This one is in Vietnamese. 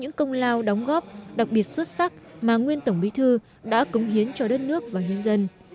những công lao đóng góp đặc biệt xuất sắc mà nguyên tổng bí thư đã cống hiến cho đất nước và nhân dân